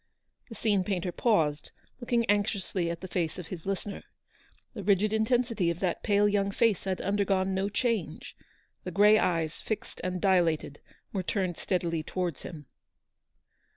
The scene painter paused, looking anxiously at the face of his listener. The rigid intensity of that pale young face had undergone no change ; the grey eyes, fixed and dilated, were turned steadilv towards him.